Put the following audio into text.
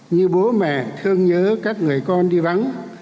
như bố mẹ thương nhớ các người con đi vắng